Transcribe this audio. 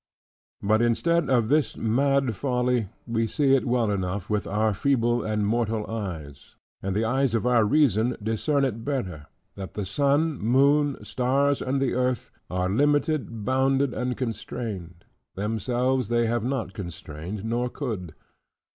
But instead of this mad folly, we see it well enough with our feeble and mortal eyes; and the eyes of our reason discern it better; that the sun, moon, stars, and the earth, are limited bounded, and constrained: themselves they have not constrained nor could.